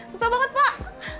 susah banget pak